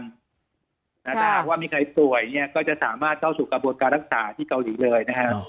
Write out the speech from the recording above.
ถ้าหากว่ามีใครป่วยเนี่ยก็จะสามารถเข้าสู่กระบวนการรักษาที่เกาหลีเลยนะฮะ